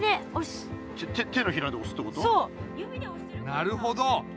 なるほど！